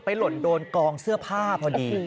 หล่นโดนกองเสื้อผ้าพอดี